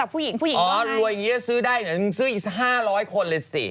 พี่อารวยอย่างนี้สื้อได้ซื้ออีก๕๐๐คนเลยสิ